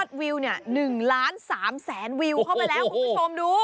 อดวิว๑๓ล้านวิวเข้าไปแล้วคุณผู้ชมดู